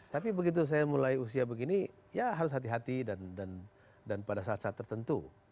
tapi begitu saya mulai usia begini ya harus hati hati dan pada saat saat tertentu